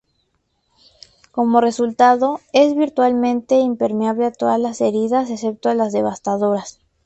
Como resultado, es virtualmente impermeable a todas las heridas excepto a las devastadoras.